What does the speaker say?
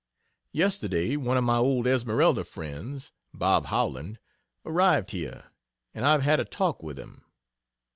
Yesterday one of my old Esmeralda friends, Bob Howland, arrived here, and I have had a talk with him.